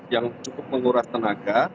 yang cukup menguras tenaga